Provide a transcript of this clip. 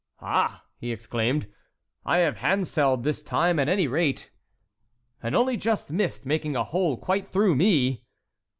"Ah," he exclaimed, "I have handselled this time at any rate." "And only just missed making a hole quite through me."